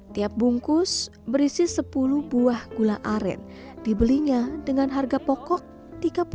tiap bungkus berisi sepuluh buah gula aren dibelinya dengan harga pokok rp tiga puluh